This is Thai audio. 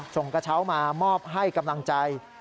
กระเช้ามามอบให้กำลังใจ